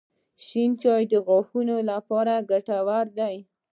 • شین چای د غاښونو لپاره ګټور دی.